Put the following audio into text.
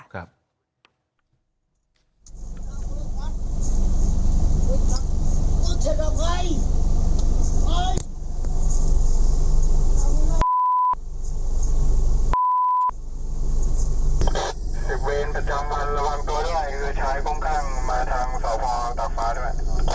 คือใช้กรงกลางมาทางเซาฟ้าตากฟ้าด้วย